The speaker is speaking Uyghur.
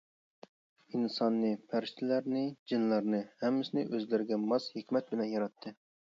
ئىنساننى، پەرىشتىلەرنى، جىنلارنى ھەممىسىنى ئۆزلىرىگە ماس ھېكمەت بىلەن ياراتتى.